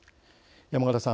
山形さん